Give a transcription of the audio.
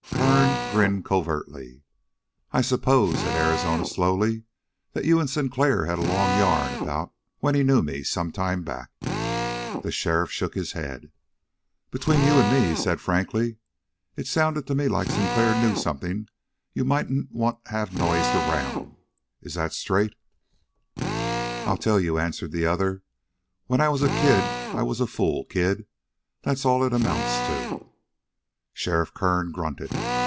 Kern grinned covertly. "I s'pose," said Arizona slowly, "that you and Sinclair had a long yarn about when he knew me some time back?" The sheriff shook his head. "Between you and me," he said frankly, "it sounded to me like Sinclair knew something you mightn't want to have noised around. Is that straight?" "I'll tell you," answered the other. "When I was a kid I was a fool kid. That's all it amounts to." Sheriff Kern grunted.